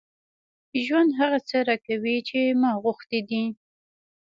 ژوند هغه څه راکوي چې ما غوښتي دي.